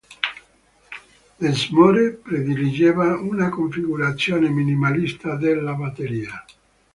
Densmore prediligeva una configurazione minimalista della batteria.